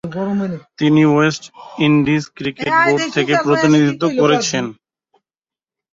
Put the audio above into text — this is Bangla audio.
তিনি ওয়েস্ট ইন্ডিজ ক্রিকেট বোর্ড থেকে প্রতিনিধিত্ব করছেন।